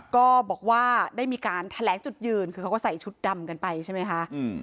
ก็บอกว่าได้มีการแถลงจุดยืนคือเขาก็ใส่ชุดดำกันไปใช่ไหมคะ